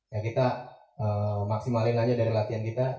ya kita maksimalin aja dari latihan kita